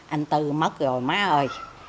anh tư mất rồi má ơi